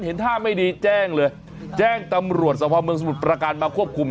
เห็นท่าไม่ดีแจ้งเลยแจ้งตำรวจสภาพเมืองสมุทรประการมาควบคุม